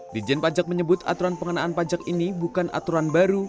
dijen pajak menyebut aturan pengenaan pajak ini bukan aturan baru